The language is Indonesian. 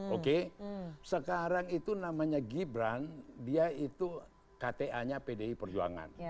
oke sekarang itu namanya gibran dia itu kta nya pdi perjuangan